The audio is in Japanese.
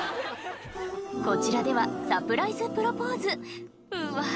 こちらではサプライズプロポーズうわ